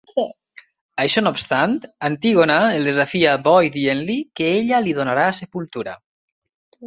Això no obstant, Antígona el desafia bo i dient-li que ella li donarà sepultura.